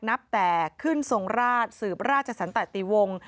นับแต่ขึ้นทรงราชสืบราชสันตติวงศ์